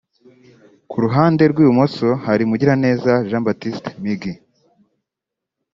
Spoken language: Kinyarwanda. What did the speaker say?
ku ruhande rw'ibumoso hari Mugiraneza Jean Baptiste(Migi)